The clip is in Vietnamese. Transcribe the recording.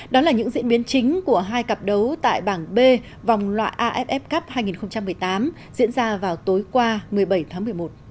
đó là những diễn biến chính của hai cặp đấu tại bảng b vòng loại aff cup hai nghìn một mươi tám diễn ra vào tối qua một mươi bảy tháng một mươi một